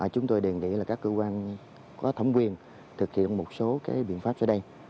chúng tôi đề nghị các cơ quan có thẩm quyền thực hiện một số biện pháp ở đây